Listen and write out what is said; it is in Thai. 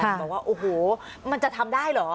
บอกว่าโอ้โหมันจะทำได้เหรอ